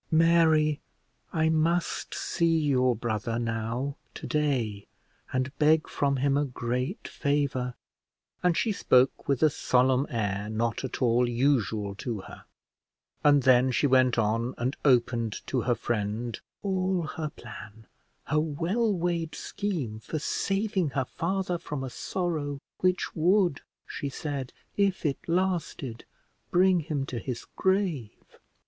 "Mary, I must see your brother, now, to day, and beg from him a great favour;" and she spoke with a solemn air, not at all usual to her; and then she went on, and opened to her friend all her plan, her well weighed scheme for saving her father from a sorrow which would, she said, if it lasted, bring him to his grave.